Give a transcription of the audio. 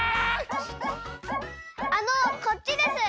あのこっちです。